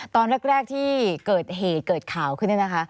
ตอนแรกที่เกิดเหตุเกิดข่าวขึ้น